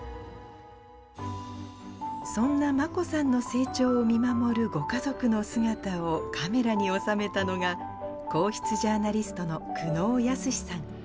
そんな眞子さんの成長を見守るご家族の姿をカメラに収めたのが、皇室ジャーナリストの久能靖さん。